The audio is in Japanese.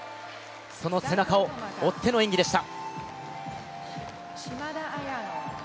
その背中を追っての演技でした。